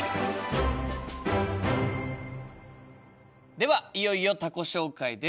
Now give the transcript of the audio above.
ではいよいよ他己紹介です。